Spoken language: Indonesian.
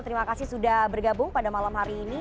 terima kasih sudah bergabung pada malam hari ini